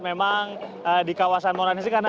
memang di kawasan monas